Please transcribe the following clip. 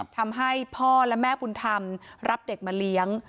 ทำให้พ่อและแม่บุญธรรมรับเด็กมาเลี้ยง